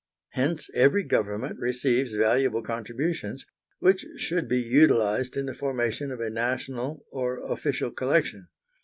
Hence every Government receives valuable contributions, which should be utilised in the formation of a National or Official Collection.